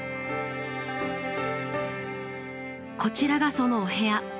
こちらがそのお部屋。